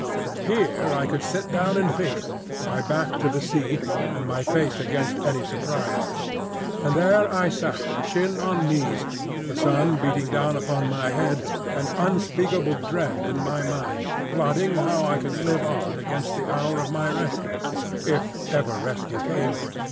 Here I could sit down and think, my back to the sea and my face against any surprise. And there I sat, chin on knees, the sun beating down upon my head and unspeakable dread in my mind, plotting how I could live on against the hour of my rescue (if ever rescue came).